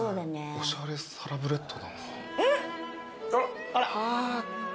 おしゃれサラブレッドだな。